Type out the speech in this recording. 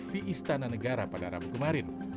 di istana negara padarabu kemarin